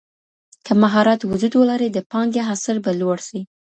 که مهارت وجود ولري د پانګي حاصل به لوړ سي.